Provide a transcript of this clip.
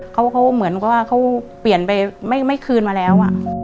เขาเหมือนกับว่าเขาเปลี่ยนไปไม่คืนมาแล้ว